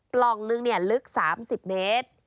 กล่องนึงลึก๓๐เมตร